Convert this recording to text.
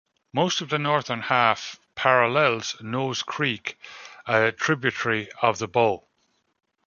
Most of the northern half parallels Nose Creek, a tributary of the Bow.